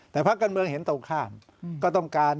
แต่ภาคการเมืองเห็นตรงข้ามก็ต้องการ